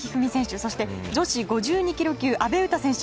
そして、女子５２ｋｇ級阿部詩選手。